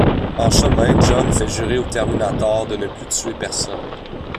En chemin, John fait jurer au Terminator de ne plus tuer personne.